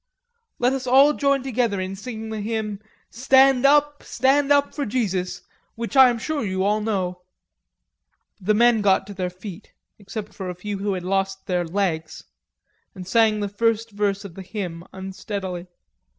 Let us all join together in singing the hymn, 'Stand up, stand up for Jesus,' which I am sure you all know." The men got to their feet, except for a few who had lost their legs, and sang the first verse of the hymn unsteadily.